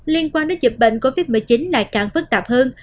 liên quan đến dịch bệnh covid một mươi chín lại càng phức tạp hơn